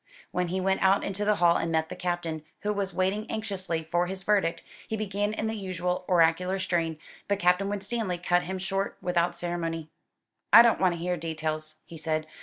When he went out into the hall and met the Captain, who was waiting anxiously for his verdict, he began in the usual oracular strain; but Captain Winstanley cut him short without ceremony. "I don't want to hear details," he said.